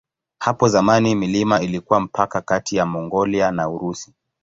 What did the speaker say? Hapo zamani milima ilikuwa mpaka kati ya Mongolia na Urusi.